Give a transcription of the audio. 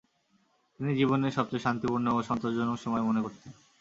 তিনি জীবনের “সবচেয়ে শান্তিপূর্ণ ও সন্তোষজনক সময়” মনে করতেন।